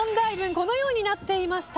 このようになっていました。